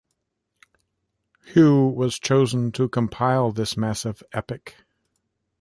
Hu was chosen to compile this massive epic.